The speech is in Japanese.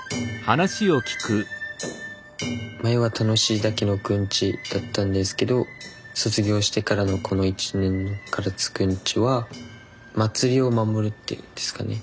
前は楽しいだけのくんちだったんですけど卒業してからのこの１年の唐津くんちは祭りを守るっていうんですかね